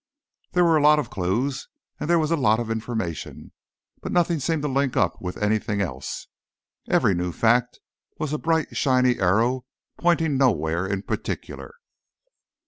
There were a lot of clues, and there was a lot of information. But nothing seemed to link up with anything else. Every new fact was a bright, shiny arrow pointing nowhere in particular.